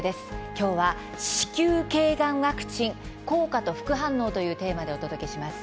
きょうは「子宮頸がんワクチン効果と副反応」というテーマでお届けします。